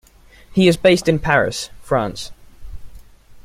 He is based in Paris, France.